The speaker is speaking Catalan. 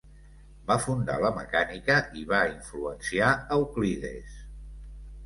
Va fundar la mecànica i va influenciar Euclides.